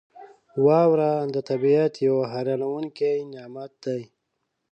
• واوره د طبعیت یو حیرانونکی نعمت دی.